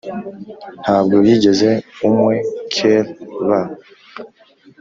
ntabwo yigeze umwкerв